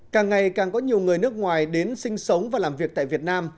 càng ngày càng có nhiều người nước ngoài đến sinh sống và làm việc tại việt nam